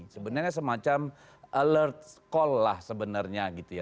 sebenarnya semacam alert call lah sebenarnya gitu ya